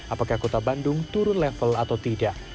apakah kota bandung turun level atau tidak